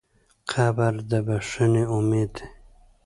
قبر د بښنې امید دی.